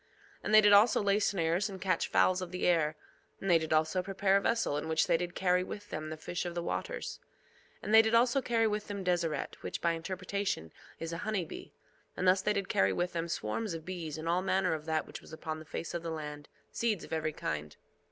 2:2 And they did also lay snares and catch fowls of the air; and they did also prepare a vessel, in which they did carry with them the fish of the waters. 2:3 And they did also carry with them deseret, which, by interpretation, is a honey bee; and thus they did carry with them swarms of bees, and all manner of that which was upon the face of the land, seeds of every kind.